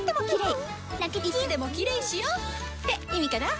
いつでもキレイしよ！って意味かな！